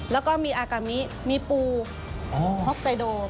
แล้วก็มีอากามิมีปูฮอกไตโด